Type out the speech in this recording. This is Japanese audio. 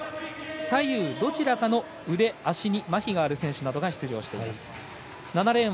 左右どちらかの腕、足にまひがある選手が出場しています。